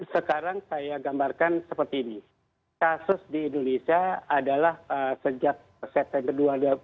sekarang saya gambarkan seperti ini kasus di indonesia adalah sejak september dua ribu dua puluh